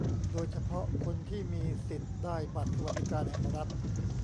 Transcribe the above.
โดยเฉพาะคนที่มีสิทธิ์ได้บัตรสวัสดิการแห่งรัฐ